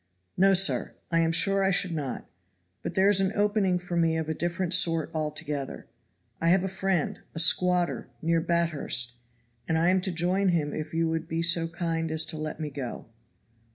"No, sir, I am sure I should not, but there is an opening for me of a different sort altogether. I have a friend, a squatter, near Bathurst, and I am to join him if you will be so kind as to let me go."